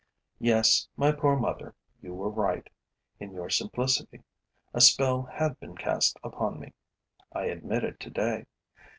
Yes, my poor mother, you were right, in your simplicity: a spell had been cast upon me; I admit it today.